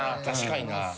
確かにな。